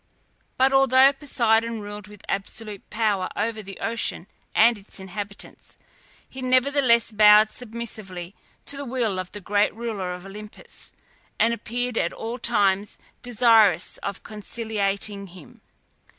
But although Poseidon ruled with absolute power over the ocean and its inhabitants, he nevertheless bowed submissively to the will of the great ruler of Olympus, and appeared at all times desirous of conciliating him.